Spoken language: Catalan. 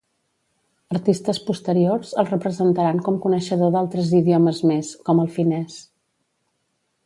Artistes posteriors el representaran com coneixedor d'altres idiomes més, com el finès.